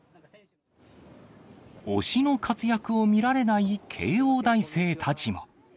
推しの活躍を見られない慶応大生たちも。